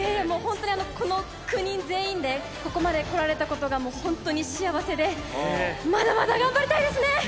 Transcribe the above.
本当に、この９人全員で、ここまで来られたことが本当に幸せで、まだまだ頑張りたいですね。